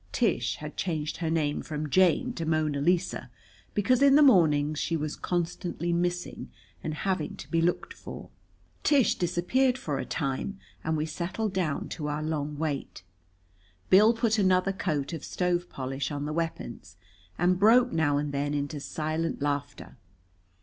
Tish had changed her name from Jane to Mona Lisa because in the mornings she was constantly missing, and having to be looked for. Tish disappeared for a time, and we settled down to our long wait. Bill put another coat of stove polish on the weapons, and broke now and then into silent laughter.